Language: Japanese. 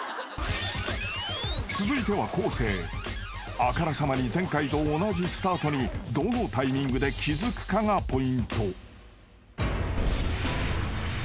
［あからさまに前回と同じスタートにどのタイミングで気付くかがポイント］